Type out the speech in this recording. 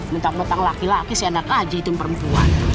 mentang mentang laki laki si enak aja hitung perempuan